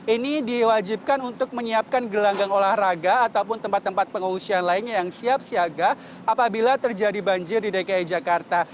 ini diwajibkan untuk menyiapkan gelanggang olahraga ataupun tempat tempat pengungsian lainnya yang siap siaga apabila terjadi banjir di dki jakarta